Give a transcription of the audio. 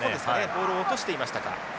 ボールを落としていましたか。